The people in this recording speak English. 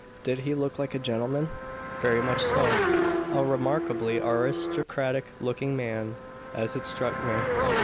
Did he look like a gentleman?" "Very much so. A remarkably aristocratic looking man, as it struck me."